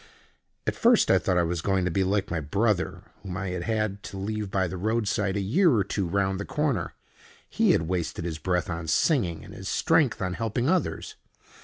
At first I thought I was going to be like my brother, whom I had had to leave by the road side a year or two round the corner. He had wasted his breath on singing, and his strength on helping others.